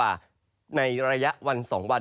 ทั้งเรื่องของฝน